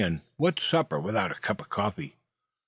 And what's supper, without a cup of coffee?"